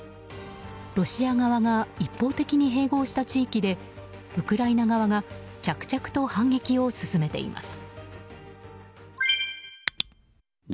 ロシア側が一方的に併合した地域でウクライナ側が着々と反撃を進めています。